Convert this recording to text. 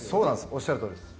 おっしゃるとおりです。